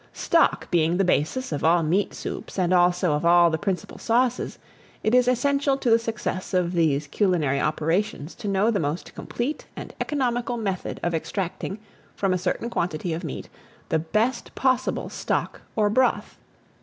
STOCK BEING THE BASIS of all meat soups, and, also, of all the principal sauces, it is essential to the success of these culinary operations, to know the most complete and economical method of extracting, from a certain quantity of meat, the best possible stock or broth.